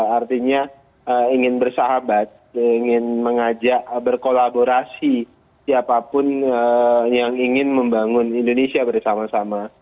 artinya ingin bersahabat ingin mengajak berkolaborasi siapapun yang ingin membangun indonesia bersama sama